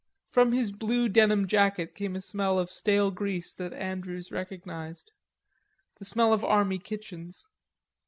From his blue denim jacket came a smell of stale grease that Andrews recognised; the smell of army kitchens.